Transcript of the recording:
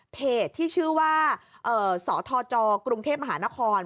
เพจที่ชื่อว่าสทจกรุงเทพมหานคร